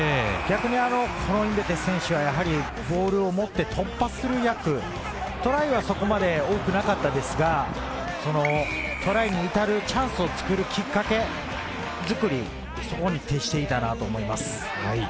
逆にコロインベテ選手はボールを持って突破する役、トライはそこまで多くなかったんですが、トライに至るチャンスをつくるきっかけ作り、そこに徹していたなと思います。